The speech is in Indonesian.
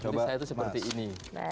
jadi saya tuh seperti ini